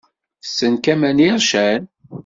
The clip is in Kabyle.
Tessen Kamel Ircen?